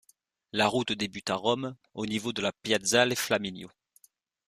La route débute à Rome, au niveau de la piazzale Flaminio.